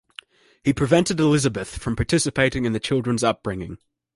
He prevented Elizabeth from participating in the children's upbringing.